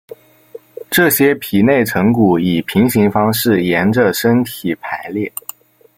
这些皮内成骨以平行方式沿者身体排列。